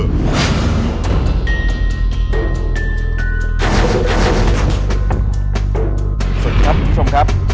สวัสดีครับคุณผู้ชมครับ